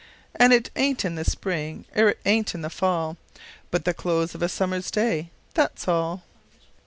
An' it ain't in the spring er it ain't in the fall, But the close of a summer's day, That's all.